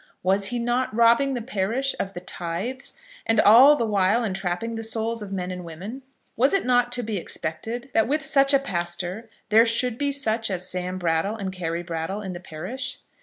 Was he not robbing the parish of the tithes, and all the while entrapping the souls of men and women? Was it not to be expected that with such a pastor there should be such as Sam Brattle and Carry Brattle in the parish?